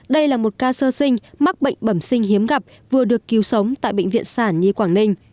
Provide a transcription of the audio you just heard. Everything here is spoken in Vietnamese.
đây là một ca sơ sinh mắc bệnh bẩm sinh hiếm gặp vừa được cứu sống tại bệnh viện sản nhi quảng ninh